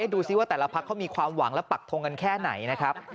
ดูซิว่าแต่ละพักเขามีความหวังและปักทงกันแค่ไหนนะครับ